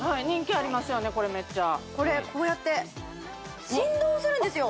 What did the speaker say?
これこうやって振動するんですよ